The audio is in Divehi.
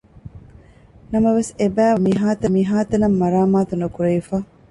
ނަމަވެސް އެބައިވަނީ އަދި މިހާތަނަށް މަރާމާތު ނުކުރެވިފަ